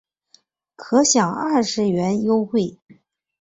可享二十元优惠